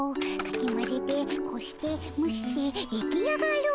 かきまぜてこしてむして出来上がる。